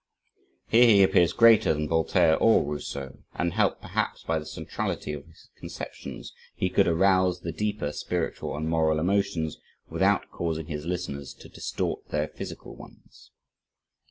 Here he appears greater than Voltaire or Rousseau and helped, perhaps, by the centrality of his conceptions, he could arouse the deeper spiritual and moral emotions, without causing his listeners to distort their physical ones.